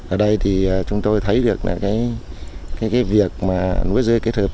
ở đây thì chúng tôi thấy được là cái việc mà lúa dươi kết hợp